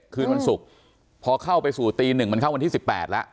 คืนวันศุกร์พอเข้าไปสู่ตีหนึ่งมันเข้าวันที่๑๘แล้ว